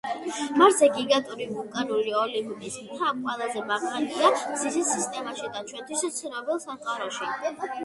მარსზე გიგანტური ვულკანური ოლიმპის მთა ყველაზე მაღალია მზის სისტემაში და ჩვენთვის ცნობილ სამყაროში.